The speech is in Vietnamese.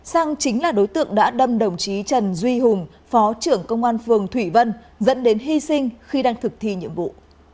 sang chính là đối tượng đã đâm đồng chí trần duy hùng phó trưởng công an phường thủy vân dẫn đến hy sinh khi đang thực thi nhiệm vụ